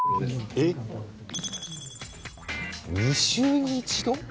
２週に一度？